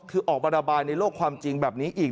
คือออกมาระบายในโลกความจริงแบบนี้อีก